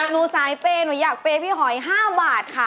หนูสายเปย์หนูอยากเปย์พี่หอย๕บาทค่ะ